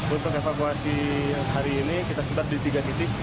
untuk evakuasi hari ini kita sebar di tiga titik